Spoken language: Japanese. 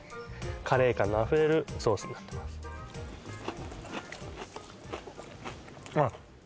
カレー感のあふれるソースになってますあっ